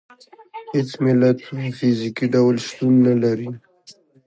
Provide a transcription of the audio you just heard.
هېڅ ملت په فزیکي ډول شتون نه لري.